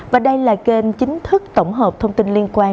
và đây là kênh chính thức tổng hợp thông tin liên quan